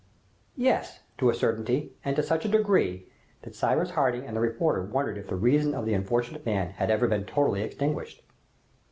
Yes, to a certainty, and to such a degree, that Cyrus Harding and the reporter wondered if the reason of the unfortunate man had ever been totally extinguished.